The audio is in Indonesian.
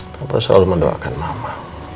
papa selalu mendoakan mama